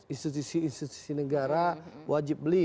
institusi institusi negara wajib beli